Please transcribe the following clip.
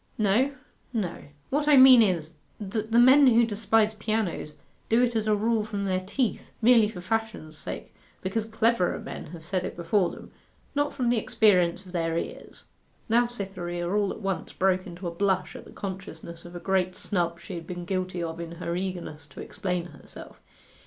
'No no. What I mean is, that the men who despise pianos do it as a rule from their teeth, merely for fashion's sake, because cleverer men have said it before them not from the experience of their ears.' Now Cytherea all at once broke into a blush at the consciousness of a great snub she had been guilty of in her eagerness to explain herself.